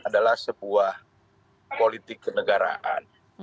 adalah sebuah politik kenegaraan